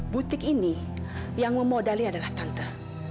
butik ini yang memodali adalah tante